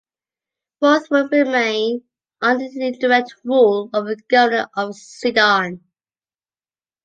Both would remain under the indirect rule of the governor of Sidon.